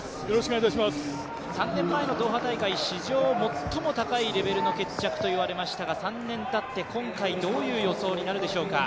３年前のドーハ大会史上最も高いレベルの決着といわれましたが、３年たって今回どういう予想になるでしょうか。